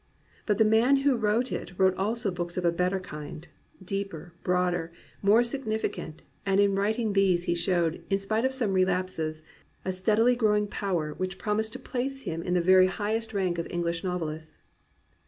But the man who wrote it wrote also books of a better kind, — deeper, broader, more significant, and in writing these he showed, in spite of some relapses, a steadily growing power which promised to place him in the very highest rank of English novelists.